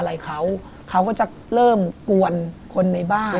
อะไรเขาเขาก็จะเริ่มกวนคนในบ้าน